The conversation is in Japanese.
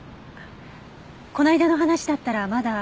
この間の話だったらまだ。